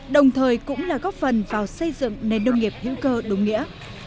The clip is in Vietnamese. đồng thời cũng là góp phần vào xây dựng nền nông nghiệp hữu cơ đúng nghĩa